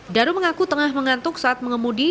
daru mengaku tengah mengantuk saat mengemudi